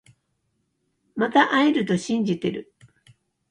また会えると信じてる